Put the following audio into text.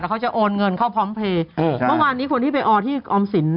แล้วเขาจะโอนเงินเข้าพร้อมเพลย์อืมใช่ประมาณนี้คนที่ไปอ่อที่ออมสิน